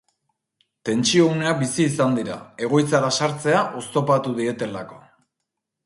Tentsio uneak bizi izan dira, egoitzara sartzea oztopatu dietelako.